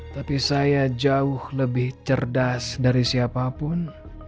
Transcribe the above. tapi saya jauh lebih cerdas dari siapapun